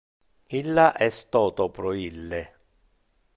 Illa es toto pro ille.